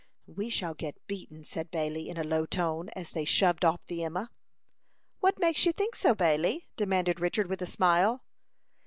"We shall get beaten," said Bailey, in a low tone, as they shoved off the Emma. "What makes you think so, Bailey?" demanded Richard, with a smile.